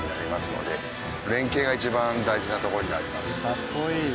かっこいい。